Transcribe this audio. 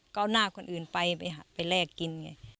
ก็เอาหน้าคนอื่นไปแลกกินไง